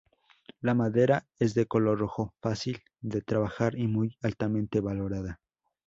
La madera es de color rojo, fácil de trabajar y muy altamente valorada.